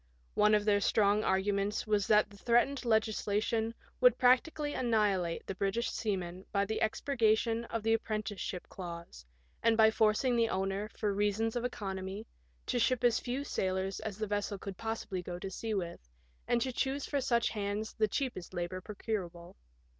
One of their strong arguments was that the threatened legislation would practically annihilate the British seaman by the expurgation of the Apprentice ship Clause, and by forcing the owner, for reasons of economy, to ship as few sailors as the vessel could TEE BRITISH SAILOR. 167 possibly go to sea with, and to choose for such hands the cheapest labour procurable.